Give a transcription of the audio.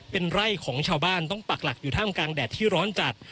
เป็นไร่ของชาวบ้านต้องปักหลักอยู่ท่ามกลางแดดที่ร้อนจัด